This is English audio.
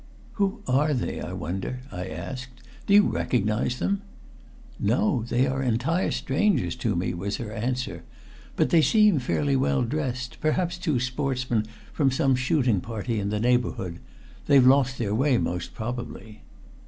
"Who are they, I wonder?" I asked. "Do you recognize them?" "No. They are entire strangers to me," was her answer. "But they seem fairly well dressed. Perhaps two sportsmen from some shooting party in the neighborhood. They've lost their way most probably."